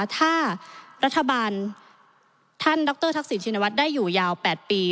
ถ้ารัฐบาลท่านดรทักษิณชินวัฒน์ได้อยู่ยาว๘ปี